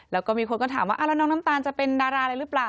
แล้วก็มีคนก็ถามว่าแล้วน้องน้ำตาลจะเป็นดาราอะไรหรือเปล่า